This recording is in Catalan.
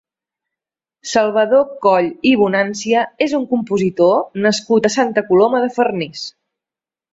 Salvador Coll i Bonancia és un compositor nascut a Santa Coloma de Farners.